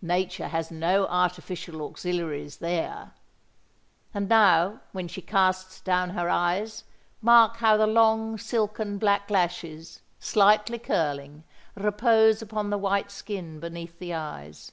Nature has no artificial auxiliaries there! And now when she casts down her eyes, mark how the long, silken black lashes, slightly curling, repose upon the white skin beneath the eyes.